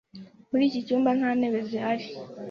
Muri iki cyumba nta ntebe zihari.